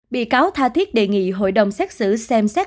bị cáo tha thiết đề nghị hội đồng xét xử xem xét